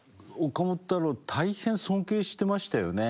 岡本太郎大変尊敬してましたよね。